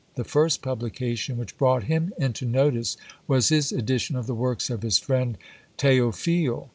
The first publication which brought him into notice was his edition of the works of his friend Theophile.